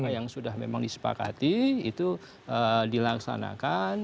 yang sudah memang disepakati itu dilaksanakan